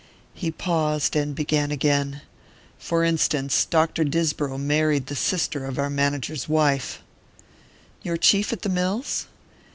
He paused, and began again: "For instance, Dr. Disbrow married the sister of our manager's wife." "Your chief at the mills?"